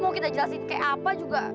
mau kita jelasin kayak apa juga